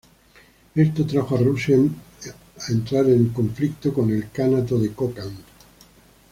Esto trajo a Rusia entrar en conflicto con el Kanato de Kokand.